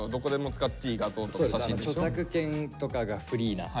著作権とかがフリーな。